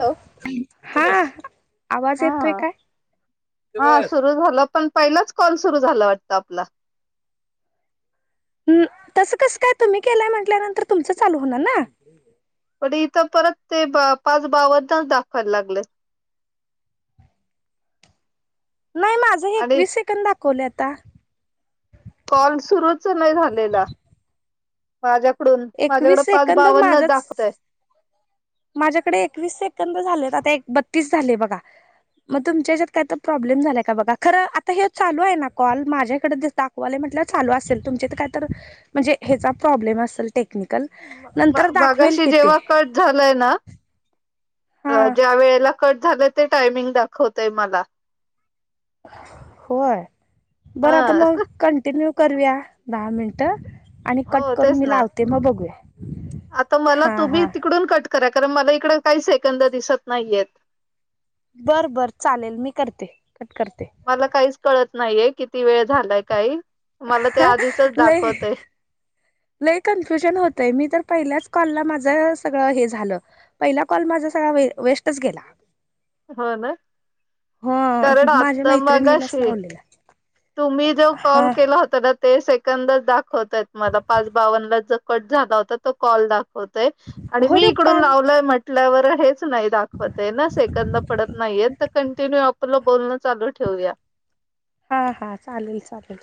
Hello हा आवाज येतोय हा काय? हा सुरू झालं पण पहिलाच कॉल सुरू झाला वाटतं आपला? हम्म तसं कसं काय? तुम्ही केलाय म्हंटल्यानंतर तुमचा चालू होणार ना? पण इथं परत ते ब पाच बावन च दाखवायला लागलेत. [inaudible] नाही माझं एकवीस सेकंद दाखवलं आता. कॉल सुरूच नाही झालेला. माझ्या क डून माझ्याकडं एकवीस पाच सेकंद बावन्नच माझंच दाखवतय. माझ्याकडे एकवीस सेकंद झाले, आता एक बत्तीस झाले बघा. मग तुमच्या येच्यात काय तर प्रॉब्लेम झालाय का बघा? खरं आता हे चालू आहे, ना कॉल माझ्याकडे दिस दाखवाले म्हट टल चालू असेल तुमचे तर काही तर म्हणजे हेचा प्रॉब्लेम असेल टेक निकल म- नंतर म- दाखवेल मागाशी कि ते. जेव्हा कट झालंय ना अ हा ज्या वेळेला कट झालं ते टायमिंग दाखवतय मला. होय बरं आता हा मग कंटिन्यू करूया दहा मिनटं. आणि हो कट करून तेच मी ना लावते मग बघूया आता मला हां तुम्ही हां तिकडून कट करा कारण मला इकड काही सेकंद दिसत नाहीयेत. बरं बरं चालेल मी करते. कट करते मला काहीच कळत नाहीये, किती वेळ झालायं काहीं. मला ते हां आधीचच लय दाखवत आहे. लय कन्फ्युजन होतंय, मी तर पहिल्याच कॉलला माझं सगळं हे झालं पहिला कॉल माझ सगळा वे वेस्टच गेला. हो न. कारण हो माझ्या आता मैत्रिणीलाच मगाशी, लावलेला तुम्ही जो कॉल हां केला होता ना ते सेकंदच दाखवतात मला पाच बावन्न जो कट झाला होता तो कॉल दाखव होतय आणि हो मी दे इकडून पाच लावलय म्हटल्यावर हेच नाही दाखवत न सेक पडत नाहीयेत त कंटिन्यू आपला बोलणं चालू ठेवूया. हां हां चालेल चालेल.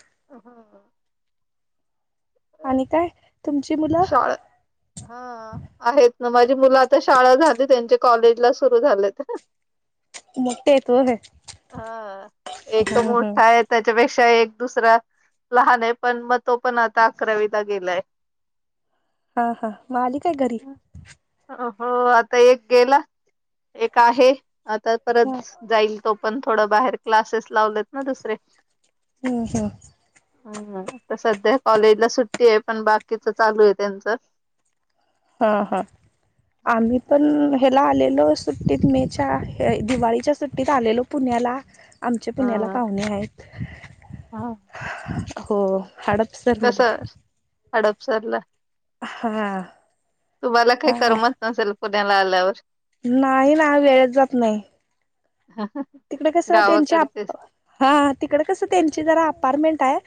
आणि काय? तुमची मुलं शाळा हां आहेत. माझी मुलं आता शाळा झाली, त्यांचे कॉलेज ला सुरु झालेत. मोठे होत होय. हां एक हां मोठा आहे तरी पेक्षा एक दुसरा लहान आहे, पण मग तो पण आता अकरावीला गेलाय. हां हां म आली काय य घरी? हो आता एक गेला, एक आहे आता परत हां जाईल तो. पण थोडं बाहेर क्लासेस लावलेत ना दुसरें. हम्म हम्म. हम्म हम्म आता सध्या कॉलेजला सुट्टी आहे, पण बाकीच चालू आहे त्यांचं. हां हां आम्ही पण ह्याला आलेलो सुट्टीत मे च्या हे दिवाळीच्या सुट्टीत आलेलो पुण्याला आमचे पुण्याला पाहुणे आहेत. हां. हो हडपसरमध्ये. हडपसरला. हं. तुम्हाला काही करमत नसेल पुण्याला आल्यावर नाही ना. वेळेच जात नाही. तिकडे कस त्यांची गावाकडचेच अपा हा तिकड कसं त्यांची जरा अपार्टमेंट हाय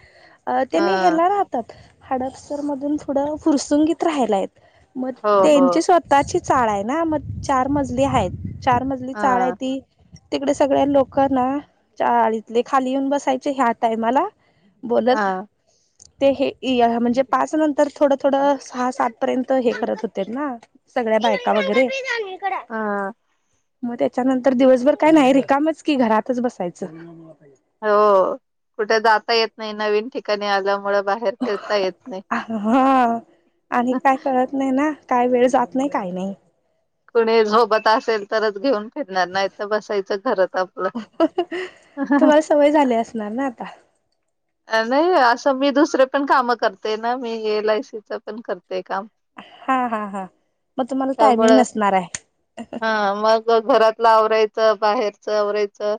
अ हा त्यांनी ह्याला राहतात हाडपसर मधून थोडं फुरसुंगीत राहायला हाइत. मग हो हो त्यांची स्वतःची चाळ हाय ना म चार मजली आ हाय. चार मजली चाळ हाय हा ती तिकडे सगळ्या लोक ना चाळीतले खाली येऊन बसायचे ह्या टायमाला हा बोलत ते हे हे म्हणजे पाच नंतर थोडं थोडं सहा सात पर्यंत हे करत होतीत ना सगळ्या बायका वगैरे हं. मग त्याच्यानंतर दिवसभर काय नाही रिकामच कि घरातच बसायचं हो कुठे जाता येत नाही. नवीन ठिकाणी आल्यामुलं बाहेर फिरता येत नाही. हा आणि काय कळत नाही ना. काय वेळ जात नाही काही नाही. कुणी सोबत असेल तरच घेऊन फिरणार नाही तर बसायचं घरात. आपलं तुम्हाला सवय झाली असणार ना आता. नाही असं मी दुसरे पण काम करते ना मी एल आ य सीच पण करते. ते काम हा हा हा मग तुम्हाला टायमिंग त्यामुळे नसणार आहे हा मग घरात आवरायचं बाहेरच आवरायचं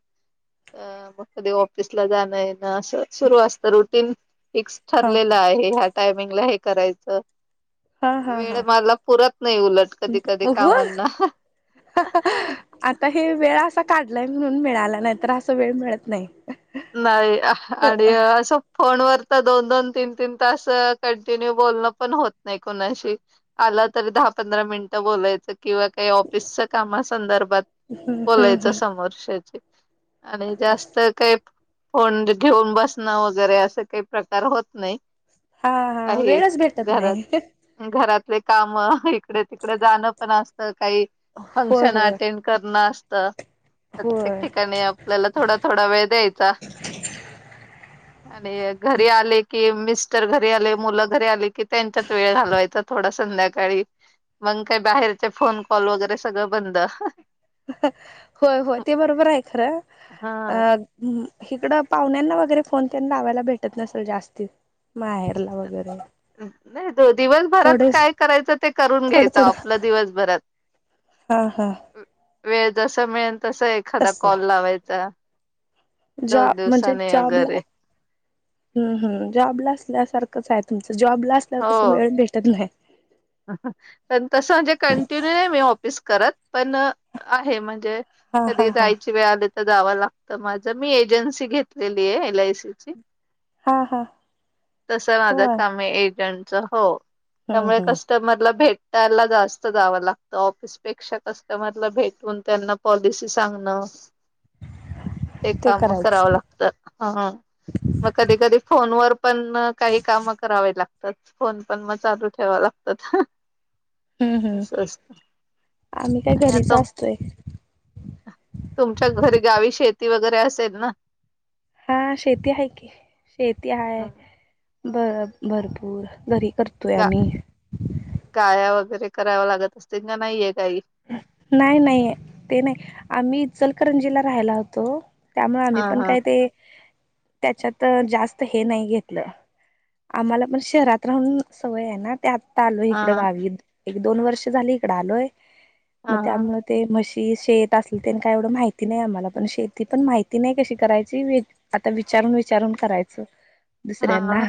मग कधी ऑफिसला जाणं येन अस. सुरू असत रुटीन फिक्स हा ठरलेलं आहे. ह्या टायमिंगला हे करायचं. हा हा वेळ हा मला पुरत नाही उलट कधी कधी हो कामांना. आता हे वेळ असा काढलाय म्हणून मिळाला नाही तर असं वेळ मिळत नाही नाही हा हा आणि असं फोनवर असं दोन - दोन, तीन -तीन तास कंटिन्यू बोलण पण होत नाही कुणाशी आलं तर द दहा पंधरा मिनिट बोलायचं किंवा काही ऑफिसच्या कामा संदर्भात हम्म हम्म बोलायचं हम्म समोरच्याची आणि अस जास्त काय फोन घेऊन बसणं वगैरे असं काही प्रकार होत नाही हा हा आहे वेळच भेटत नाही घरात घरातले काम इकडे तिकडे जाणं पण असतं काही होय फंक्शन होय अटेंड करणं असत सत प्रत्येक होय ठिकाणी आपल्याला थोडा थोडा वेळ द्यायचा. आणि घरी आले कि मिस्टर घरी आले मुलं घरी आले कि त्यांच्यात वेळ घालवायचा थोडसा. संध्याकाळी मग काही बाहेरचे फोन कॉल वगैरे सगळं बंद. होय, होय. ते बरोबर हाय खरं हा अ इकडे पाहुण्यांना वगैरे फोन तेन लाावायला भेटत नसेल जास्ती माहेरला वगैरे नाही हो दिवसभरात थोडेच काय करायचं ते करून थोडं घ्यायचं आपलं दिवसभरात हं, हं. जसं मिळेल तस एखादा कॉल लावायचा जॉ दोन म्हणजे दिवसाने जॉबला वगैरे हम्म हम् जॉब ला असल्यासारखंच हाय जॉब ला असल्यावर हो कस वेळ भेटत नाय. पण तसं म्हणजे कंटिन्यू नाही मी ऑफिस करत पण आहे म्हणजे हा हा कधी हा जायची वेळ आली जावं लागत. माझं मी एजन्सी घेतलेली आहे एल आ य सी ची. हा हा तस माझ होय कामे एजंटच हो हम्म हम्म त्याला भेटायला जास्त जावं लागत. ऑफिस पेक्षा कस्टमरला भेटून त्यांना पॉलिसी सांग न ते काम करावं लागतं. हा मग कधी कधी फोन वर पण काही काम करावे लागतात. फोन पण मग चालू ठेवाव लागतात. हम्म हम्म अस असतं आम्ही काय आणि आत घरीच असतोय तुमच्या घर गावी शेती वगैरे असेल ना. हा शेती आहे की. शेती आहे ब भरपूर. घरी करतोय गा आम्ही गाया वगैरे करावा लागत असते का नाहीये काही नाही नाही ते नाही. आम्ही ईचलकरंजीला राहायला होतो. त्यामुळे आम्ही हा पण हा काय ते त्याच्यात जास्त हे नाही घेतलं. आम्हाला पण शहरात राहून सवय आहे ना त्यात. आलोय इकडं हा गावी. एक दोन वर्ष झाली इकडं आलोय. मग हा त्यामुळे ते म्हशी शेत अस काय एवढ माहिती नाही आम्हाला. पण शेती पण माहिती नाही कशी करायची. आता विचार विचारून विचारून करायच. हा दुसऱ्यांना. हा.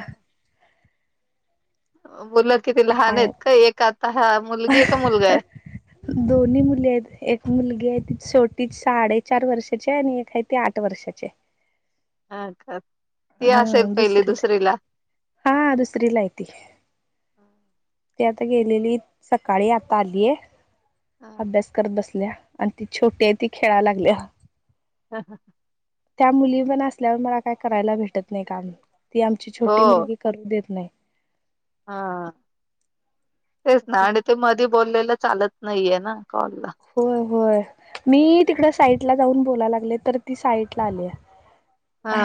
मुलं किती लहान आहेत हाय काय? एक आता हा मुलगी आहे का मुलगा आहे. दोन्ही मुली आहेत. एक मुलगी आहे. ती छोटी ती साडेचार वर्षाची आहे. आणि एक आहे ती आठ वर्षाची आहे. ती असेल पहिली दुसरीला. हा दुसरीला [inaudible] ते आता गेलेली सकाळी आता आलीय. अभ्यास करत बसल्या. आणि ती छोटी आहे ती खेळा लागलीया. ह ह त्या मुली पण असल्यावर मला काय करायला भेटत नाही काम. ती आमची हो छोटी मुलगी करू देत नाही. हा तेच ना. आणि ते मधी बोललेलं चालत नाहीये ना. कॉलला होय होय. मी तिकड साईटला जाऊन बोलायला लागले, तर ती साईटला आलीय. हा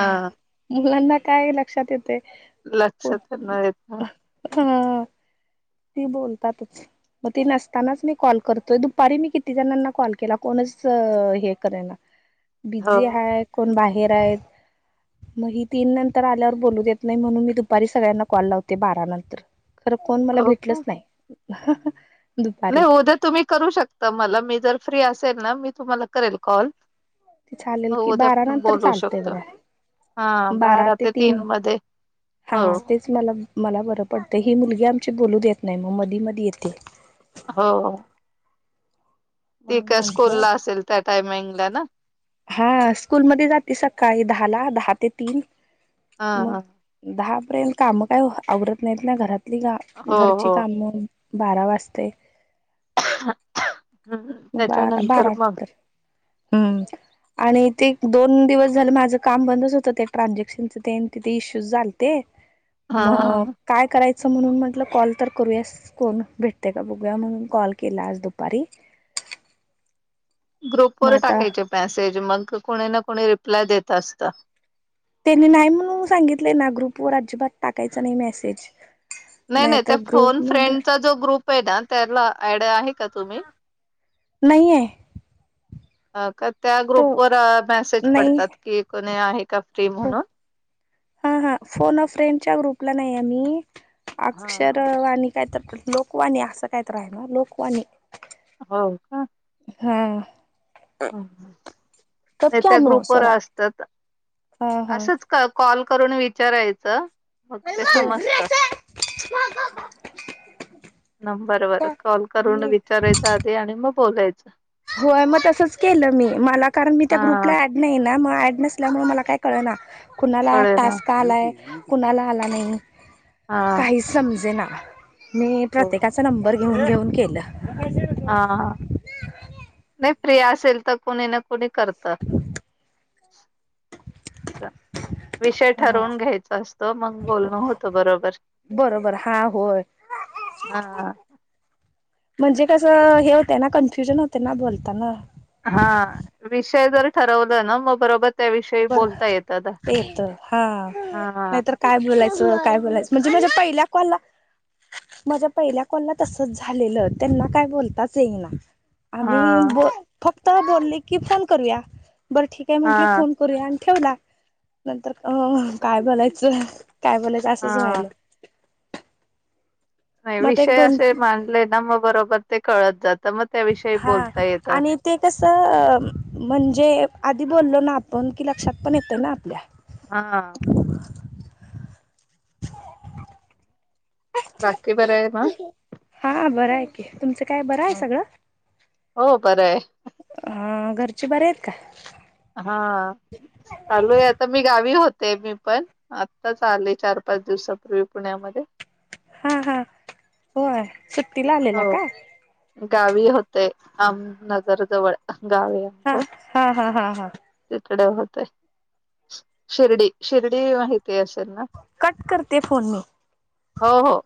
काय लक्षात येतय. लक्षात तर नाही येत ना. ह ती बोलतातच. मग ती नसतानाच मी कॉल करतोय. दुपारी मी किती जणांना कॉल केला कोण हे करायला हो बिझी आहे. कोण बाहेर आहेत. मग ही तीन नंतर आल्यावर बोलू देत नाही. म्हणून मी दुपारी सगळ्यांना कॉल लावते बारा नंतर. खरं कोण मला हो भेटलच का नाही. दुपारी. नाही उद्या तुम्ही करू शकता मला. मी जर फ्री असेल ना मी तुम्हाला करेल कॉल. चालेल कि. उद्या बारा पण नंतर बोलू चालतेय शकतो बघा. बारा ते तीन हा हो तेच मला मला बरं पडत. ही मुलगी आमची बोलू देत नाही. मग मधी मधी येते. हो. ती म्हणून काय म्हंटलं स्कूलला असेल त्या टायमिंगला ना. हा स्कूलमध्येध्ये जाते सकाळी दहाला. दहा ते तीन. मग ह दहापर्यंत काम काय आवरत नाहीत ना घरात. हो घरची हो काम बारा वाजते. [inaudible] बारा त्याच्यानंतर बारा मग नंतर. हम्म आणि ते दोन दिवस झालं माझं काम बंदच होतं ते ट्रानझॅक्शनच. ते तिथे इश्यू झालते. हा मग हा काय करायचं. स म्हणून म्हटलं कॉल तर करूयास कोण भेटते का बघूया. मग कॉल केला आज दुपारी. ग्रुप मग वर आता टाकायचे मॅसेज मग कोणी ना कोणी रिप्लाय देत असत. त्यांनी नाही म्हणून सांगितलंय ना ग्रुप व अजिबात टाकायच नाही मेसेज. नाही नाही नाहीतर त्या फोन ग्रुप मध्ये फ्रेंडचा जो ग्रुप आहे ना त्याला ड आहे का तुम्ही नाहीे आहे. अ का त्या तो ग्रुपवरर मेसेज नाही पडतात कि कोणी आहे. का फ्री हो म्हणून हा हा फोन फ्रेंडच्या ग्रुपला नाही आम् हा अक्षर हा. आणि काय तर लोकवाणी असं कायत रा ना लोकवाणी हो का हा कब नाही क्या त्या नो ग्रुप वर स्वरा असतात. हा हा असंच कॉल करून विचारायचं. मग ते समजत. नंबर वर कॉल करून मी विचारायच आधी आणि मग बोलायचं. होय मग तसंच केलं मी मला कारण मी त्या हा ग्रुपला ऍड नाही ना म ऍड नसल्यामुळे मला काय कळ ना. कुणाला कळेल हा टास्क आलाय कुणाला आला नाही हा, काहीच समजे ना. मी हो प्रत्येकाचा नंबर घेऊन घेऊन केलं. हा नाही फ्री असेल तर कोुणी ना कोुणी करत. अस विषय हा ठरवून घ्यायच असतं मग बोलणं होत बरोबर. बरोबर हा होय हा म्हणजे कसं हे होतं ना कन्फ्युजन होते ना बोलताना. हा विषय जर ठरवलं ना मग बरोबर त्याविषयी बर बोलता येतात. ते तर हा हा नाहीतर काय बोलायच. काय बोलायचं म्हणजे म्हणजे पहिल्या कॉल माझ्या पहिल्या कॉलला तसच झालेलं त्यांना काय बोलताच येईना. हा आम्ही ब फक्त बोलले की फोन करूया बर ठीक आहे म्हंटले हा फोन करूया ठेवला नंतर अ काय बोलायचं. काय बोलायचं असंच हा. व्हायल. नाही विषय असे मानले ना मग बरोबर ते कळत जात. हा आणि ते कस म्हणजे कधी बोललो ना आपण कि लक्षात पण येतोय ना आपल्या हा बाकी बरं आहे मग हा बरं आहे की तुमचं काय बरं आहे हां. सगळं हो बरं आहे. अा घरचे बरे आहेत का हा चालूय आता मी गावी होते मी पण आत्ताच आले चार पाच दिवसापूर्वी पुण्यामध्ये आले आता काय बारा. हा हा होय सुट्टी ला आलेला हो का गावी होते आम नगर जवळ गाव आहे हा आमचं हा हा हा हा डे होत शिर्डी शिर्डी माहिती ते असेल ना कट करते फोन मी. हो हो